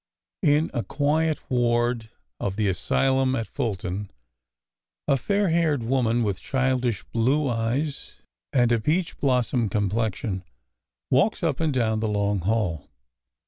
In a quiet ward of the asylum at Fulton a fair haired woman with childish blue eyes and a peach blossom com plexion walks up and down the long hall.